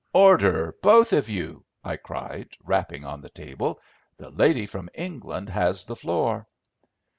"Order, both of you!" I cried, rapping on the table; "the lady from England has the floor."